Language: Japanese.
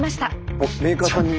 あっメーカーさんに？